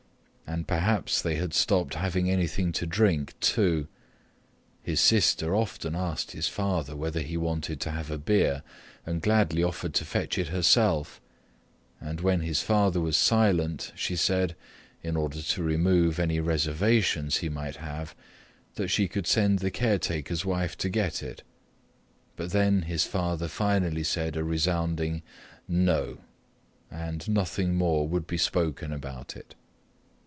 And perhaps they had stopped having anything to drink, too. His sister often asked his father whether he wanted to have a beer and gladly offered to fetch it herself, and when his father was silent, she said, in order to remove any reservations he might have, that she could send the caretaker's wife to get it. But then his father finally said a resounding "No," and nothing more would be spoken about it.